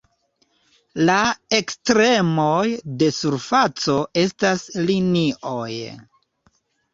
La ekstremoj de surfaco estas linioj.